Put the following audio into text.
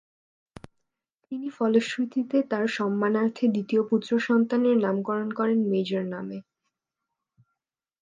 তিনি ফলশ্রুতিতে তার সম্মানার্থে দ্বিতীয় পুত্র সন্তানের নামকরণ করেন ‘মেজর’ নামে।